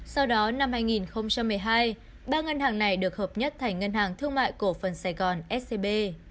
sau đó năm hai nghìn một mươi hai ba ngân hàng này được hợp nhất thành ngân hàng thương mại cổ phần sài gòn scb